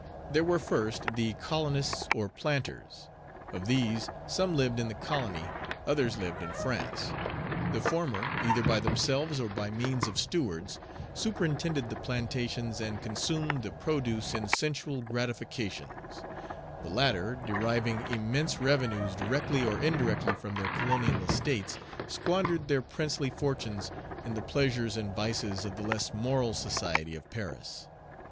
There were first, the colonists or planters. Of these, some lived in the colony, others lived in France. The former, either by themselves or by means of stewards, superintended the plantations, and consumed the produce in sensual gratifications; the latter, deriving immense revenues directly or indirectly from their colonial estates, squandered their princely fortunes in the pleasures and vices of the less moral society of Paris.